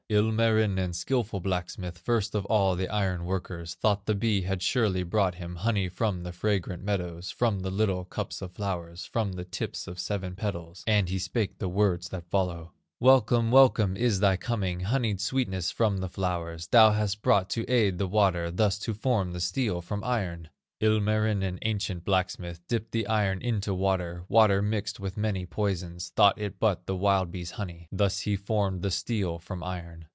"Ilmarinen, skilful blacksmith, First of all the iron workers, Thought the bee had surely brought him Honey from the fragrant meadows, From the little cups of flowers, From the tips of seven petals, And he spake the words that follow: 'Welcome, welcome, is thy coming, Honeyed sweetness from the flowers Thou hast brought to aid the water, Thus to form the steel from iron!' "Ilmarinen, ancient blacksmith, Dipped the iron into water, Water mixed with many poisons, Thought it but the wild bee's honey; Thus he formed the steel from iron.